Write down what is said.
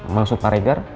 maksud pak regar